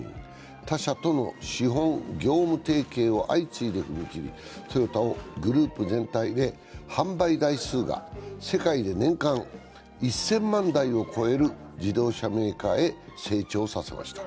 他社との資本・業務提携に相次いで踏切トヨタをグループ全体で販売台数が世界で年間１０００万台を超える自動車メーカーへ成長させました。